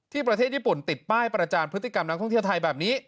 ประเทศญี่ปุ่นติดป้ายประจานพฤติกรรมนักท่องเที่ยวไทยแบบนี้